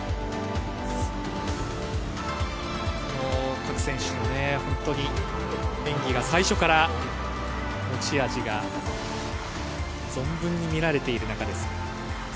各選手、本当に演技の最初から持ち味が存分に見られています。